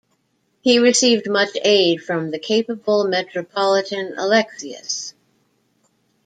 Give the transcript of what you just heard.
He received much aid from the capable Metropolitan Alexius.